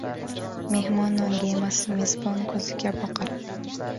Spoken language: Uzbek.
• Mehmon nonga emas, mezbon ko‘ziga boqar.